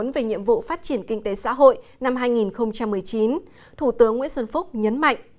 về nhiệm vụ phát triển kinh tế xã hội năm hai nghìn một mươi chín thủ tướng nguyễn xuân phúc nhấn mạnh